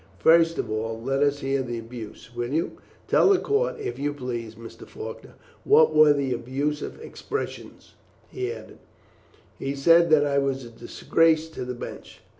First of all, let us hear the abuse, will you? Tell the court, if you please, Mr. Faulkner, what were the abusive expressions," he added. "He said, sir, that I was a disgrace to the bench."